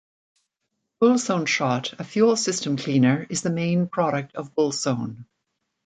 Bullsoneshot, a fuel system cleaner, is the main product of Bullsone.